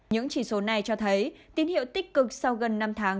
những chỉ số này cho thấy tín hiệu tích cực sau gần năm tháng